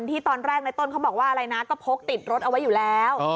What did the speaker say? ที่ตอนแรกในต้นเขาบอกว่าอะไรนะก็พกติดรถเอาไว้อยู่แล้ว